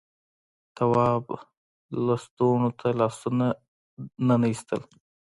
تواب لستونو ته لاسونه وننه ایستل.